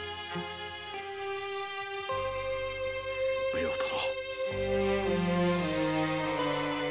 お葉殿。